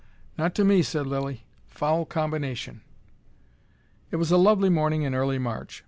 "Not to me," said Lilly. "Foul combination." It was a lovely morning in early March.